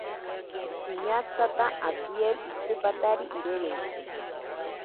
Iñatsata abdiel itsipatari irirentsite.